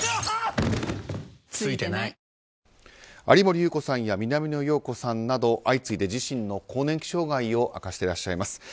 有森裕子さんや南野陽子さんなど相次いで自身の更年期障害を明かしていらっしゃいます。